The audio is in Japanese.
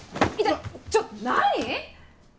ちょっ何？